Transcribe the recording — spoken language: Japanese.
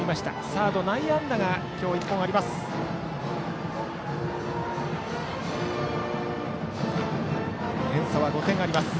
サード内野安打が今日１本あります。